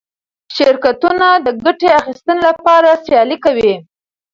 شرکتونه د ګټې اخیستنې لپاره سیالي کوي.